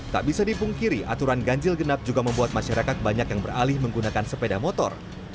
tak bisa dipungkiri aturan ganjil genap juga membuat masyarakat banyak yang beralih menggunakan sepeda motor